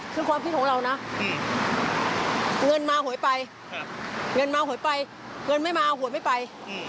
แล้วเกิดมีปัญหามาที่หลังก็ไม่ได้